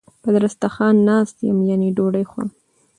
په دسترخان ناست یم یعنی ډوډی خورم